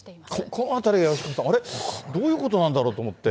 このあたりが吉川さん、あれ、どういうことなんだろうと思って。